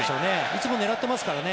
いつも狙ってますからね。